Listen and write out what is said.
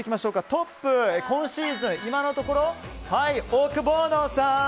トップ、今シーズン今のところはオオクボーノさん